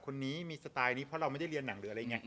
คนนี้มีสไตล์นี้เพราะเราไม่ได้เรียนหนังหรืออะไรอย่างนี้